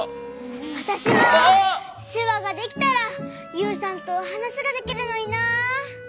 わたしもしゅわができたらユウさんとはなしができるのにな。